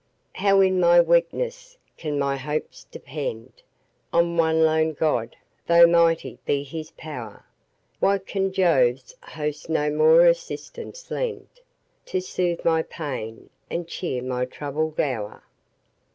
How in my weakness can my hopes depend On one lone God, though mighty be his pow'r? Why can Jove's host no more assistance lend, To soothe my pains, and cheer my troubled hour?